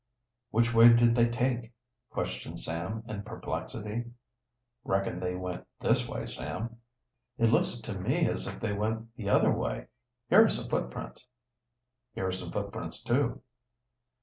"Which way did they take?" questioned Sam, in perplexity. "Reckon they went this way, Sam." "It looks to me as if they went the other way. Here are some footprints." "Here are some footprints, too."